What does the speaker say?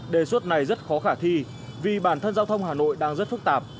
đề xuất này rất khó khả thi vì bản thân giao thông hà nội đang rất phức tạp